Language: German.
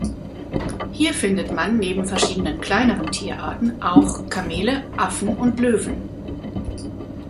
Hier findet man neben verschiedenen kleineren Tierarten, auch Kamele, Affen und Löwen.